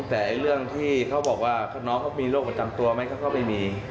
แต่เรื่องที่เขาบอกว่าน้องเขามีโรคประจำตัวไหมเขาก็ไม่มี